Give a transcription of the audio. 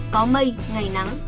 có mây ngày nắng